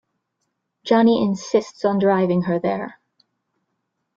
Johnnie insists on driving her there.